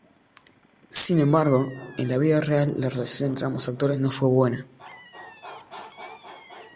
Sin embargo, en la vida real la relación entre ambos actores no fue buena.